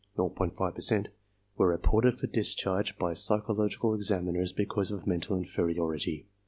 5 per cent) were reported for discharge by psychological exam iners because of mental inferiority.